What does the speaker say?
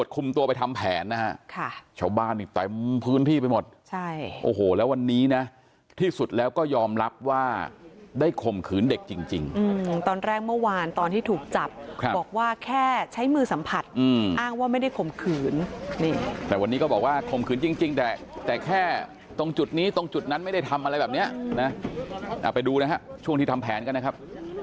ขึ้นเด็กจริงตอนแรกเมื่อวานตอนที่ถูกจับบอกว่าแค่ใช้มือสัมผัสอ้างว่าไม่ได้ข่มขืนแต่วันนี้ก็บอกว่าข่มขืนจริงแต่แต่แค่ตรงจุดนี้ตรงจุดนั้นไม่ได้ทำอะไรแบบเนี้ยเอาไปดูนะฮะช่วงที่ทำแผนกันนะครับ